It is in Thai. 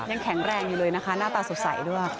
ยังแข็งแรงอยู่เลยนะคะหน้าตาสดใสด้วย